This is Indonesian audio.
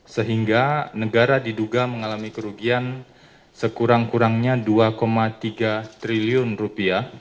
sehingga negara diduga mengalami kerugian sekurang kurangnya dua tiga triliun rupiah